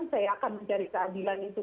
saya akan mencari keadilan itu